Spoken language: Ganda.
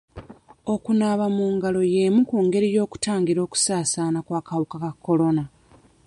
Okunaaba mu ngalo y'emu ku ngeri z'okutangira okusaasaana k'akawuka ka kolona.